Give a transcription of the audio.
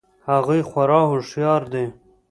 هغوی خورا هوښیار دي